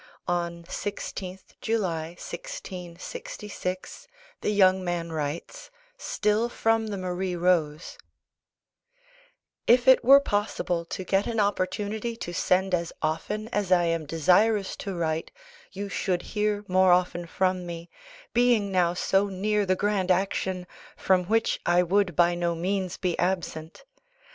On 16th July 1666 the young man writes still from the Marie Rose If it were possible to get an opportunity to send as often as I am desirous to write, you should hear more often from me, being now so near the grand action, from which I would by no means be absent.